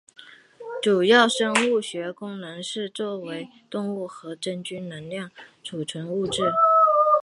主要生物学功能是作为动物和真菌的能量储存物质。